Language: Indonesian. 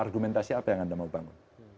argumentasi apa yang anda mau bangun